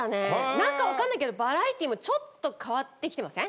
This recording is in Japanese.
なんか分かんないけどバラエティもちょっと変わってきてません？